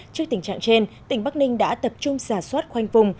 trước tình trạng trên tỉnh bắc ninh đã tập trung xà xoát khoanh vùng